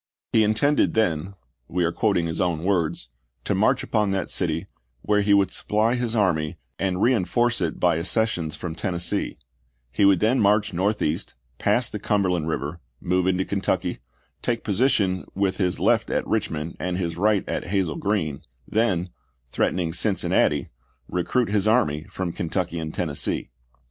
He intended then — we are quoting his own words — to march upon that city, where he would supply his army and reenf orce it by accessions from Tennessee ; he would then march northeast, pass the Cumberland Eiver, move into Kentucky, take position with his left at Richmond and his right at Hazel Green, then, threatening Cincinnati, recruit his army from Kentucky and Tennessee.